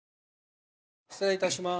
失礼いたします。